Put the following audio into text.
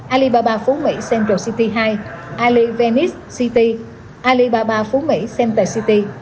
alibaba phú mỹ central city hai alibaba venice city alibaba phú mỹ center city